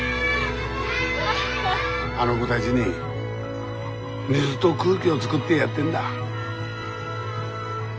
あの子だぢに水ど空気を作ってやってんだ。